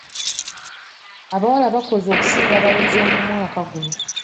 Abawala bakoze okusinga abalenzi omwaka guno.